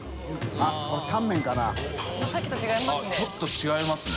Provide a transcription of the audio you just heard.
あっちょっと違いますね。